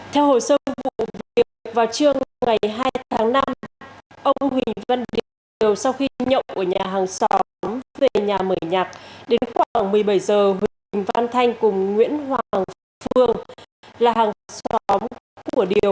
theo hồ sơ vụ việc vào trưa ngày hai tháng năm ông huỳnh văn điều sau khi nhậu ở nhà hàng xóm về nhà mở nhạc đến khoảng một mươi bảy h huỳnh văn thanh cùng nguyễn hoàng phương là hàng xóm của điều